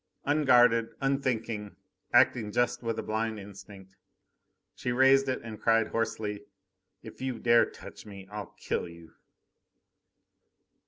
Unguarded, unthinking, acting just with a blind instinct, she raised it and cried hoarsely: "If you dare touch me, I'll kill you!"